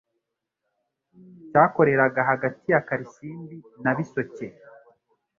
cyakoreraga hagati ya Karisimbi na Bisoke.